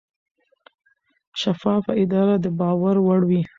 شفافه اداره د باور وړ وي.